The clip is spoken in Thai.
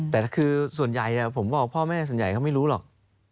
แต่คือส่วนใหญ่ผมบอกพ่อแม่ส่วนใหญ่เขาไม่รู้หรอก